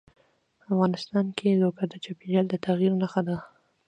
افغانستان کې لوگر د چاپېریال د تغیر نښه ده.